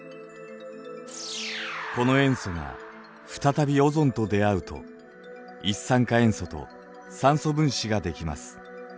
この塩素が再びオゾンと出会うと一酸化塩素と酸素分子が出来ます。